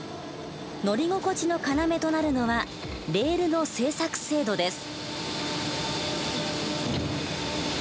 乗り心地の要となるのはレールの製作精度です。